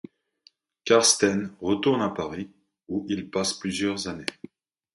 Karsten retourne à Paris, où il passe plusieurs années.